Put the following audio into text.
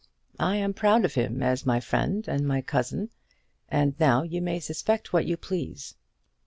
I am proud of him as my friend and my cousin, and now you may suspect what you please."